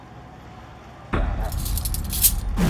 Kwiarah.